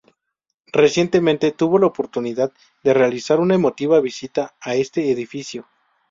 Recientemente tuvo la oportunidad de realizar una emotiva visita a este edificio.